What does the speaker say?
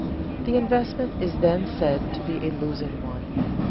The investment is then said to be a losing one.